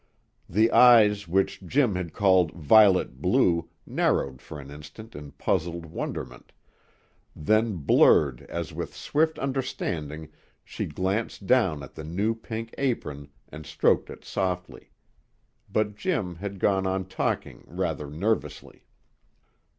The eyes which Jim had called "violet blue" narrowed for an instant in puzzled wonderment, then blurred as with swift understanding she glanced down at the new pink apron and stroked it softly. But Jim had gone on talking rather nervously.